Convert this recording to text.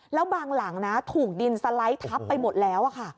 แล้วบางหลังนะถูกดินสไลด์ทับไปหมดแล้วค่ะ